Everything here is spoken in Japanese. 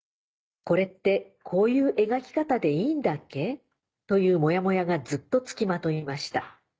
これってこういう描き方でいいんだっけというモヤモヤがずっと付きまといました。